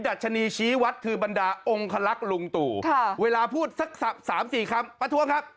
ัชนีชี้วัดคือบรรดาองคลักษณ์ลุงตู่เวลาพูดสัก๓๔คำประท้วงครับ